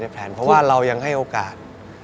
เพราะว่าเรายังให้โอกาส